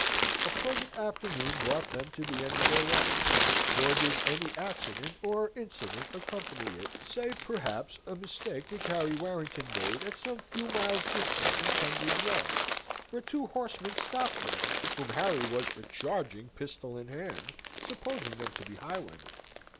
A pleasant afternoon brought them to the end of their ride; nor did any accident or incident accompany it, save, perhaps, a mistake which Harry Warrington made at some few miles' distance from Tunbridge Wells, where two horsemen stopped them, whom Harry was for charging, pistol in hand, supposing them to be highwaymen.